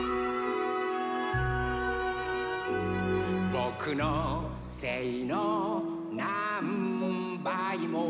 「ぼくのせいのなんばいも」